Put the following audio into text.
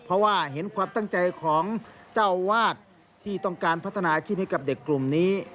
เพราะว่าเห็นความตั้งใจของเจ้าวาดที่ต้องการพัฒนาอาชีพให้กับเด็กกลุ่มนี้